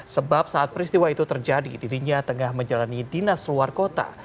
sebab saat peristiwa itu terjadi dirinya tengah menjalani dinas luar kota